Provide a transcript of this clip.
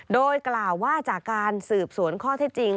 โดยกล่าวว่าจากการสืบสวนข้อเท็จจริง